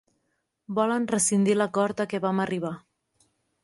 Volen rescindir l'acord a què vam arribar.